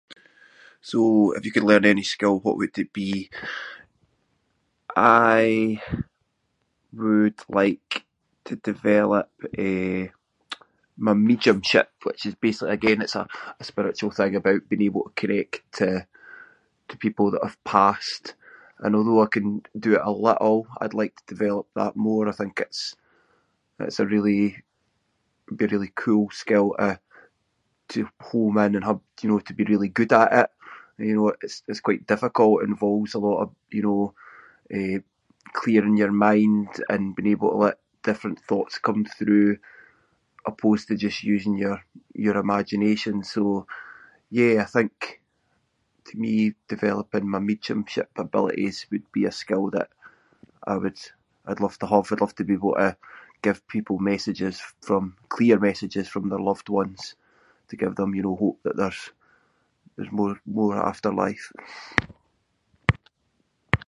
So, if you could learn any skill what would it be? I would like to develop, eh, my mediumship which is basically- again, it's a- a spiritual thing about being able to connect to- to people that’ve passed, and although I can do it a little I’d like to develop that more. I think it’s- it’s a really- be a really cool skill to- to home in ha- you know to be really good at it. You know, it's- it's quite difficult. It involves a lot of, you know, eh, clearing your mind and being able to let different thoughts come through opposed to just using your- your imagination, so, yeah, I think to me developing my mediumship abilities would be a skill that I would- I’d love to have, I’d love to be able to give people messages from- clear messages from their loved ones to give them, you know, hope that there's- there's more- more after life.